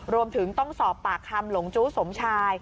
รวมถึงต้องสอบปากคำหลงจู้สมชาย